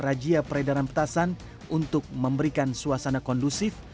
rajia peredaran petasan untuk memberikan suasana kondusif